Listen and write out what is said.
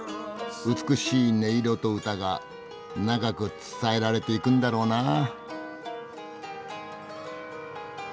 美しい音色と歌が長く伝えられていくんだろうなぁ。